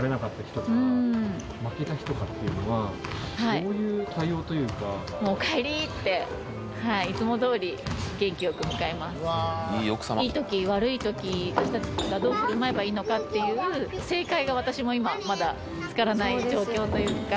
こういういい時悪い時私たちがどう振る舞えばいいのかっていう正解が私も今まだ見つからない状況というか。